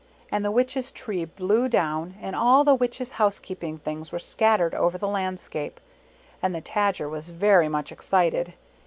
And the Witch's tree blew down and all the Witch's housekeeping things were scattered over the landscape. And the Tajer was very much excited.